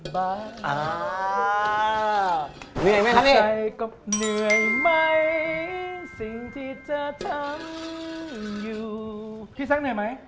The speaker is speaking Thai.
พี่ซักเหนื่อยมั้ย